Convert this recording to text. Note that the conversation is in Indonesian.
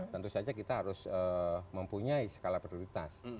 tentu saja kita harus mempunyai skala prioritas